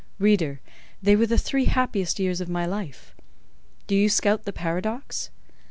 Reader, they were the three happiest years of my life. Do you scout the paradox?